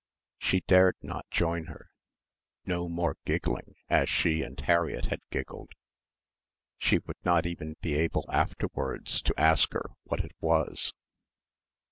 She dared not join her ... no more giggling as she and Harriett had giggled. She would not even be able afterwards to ask her what it was.